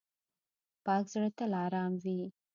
پاک زړه تل آرام وي.